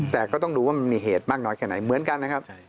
แต่ก็ต้องดูว่ามันมีเหตุมากน้อยแค่ไหนเหมือนกันนะครับ